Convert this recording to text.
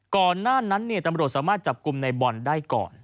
ก่อนหน้านั้นตำรวจสามารถจับกลุ่มในบอลได้ก่อน